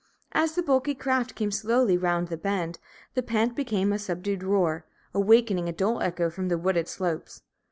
As the bulky craft came slowly around the bend, the pant became a subdued roar, awakening a dull echo from the wooded slopes.